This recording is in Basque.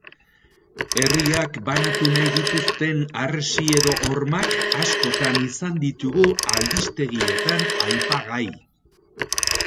Herriak banatu nahi dituzten harresi edo hormak askotan izan ditugu albistegietan aipagai.